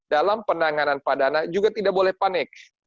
dalam penanganan pada anak juga tidak boleh panik